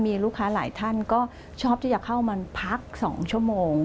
มีลูกค้าหลายท่านก็ชอบที่จะเข้ามาพัก๒ชั่วโมง